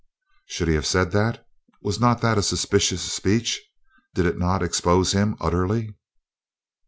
Should he have said that? Was not that a suspicious speech? Did it not expose him utterly?